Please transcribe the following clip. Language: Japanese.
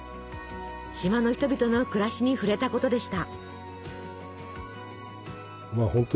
島の人々の暮らしに触れたことでした。